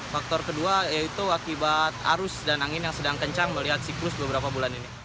faktor kedua yaitu akibat arus dan angin yang sedang kencang melihat siklus beberapa bulan ini